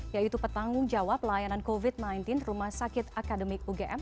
yaitu petanggung jawab pelayanan covid sembilan belas rumah sakit akademik ugm